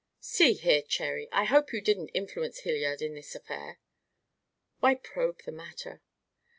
"See here, Cherry, I hope you didn't influence Hilliard in this affair?" "Why probe the matter?"